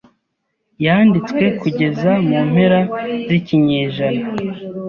yanditswe kugeza mu mpera zikinyejana